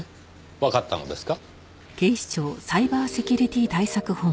わかったのですか？